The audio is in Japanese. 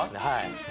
はい。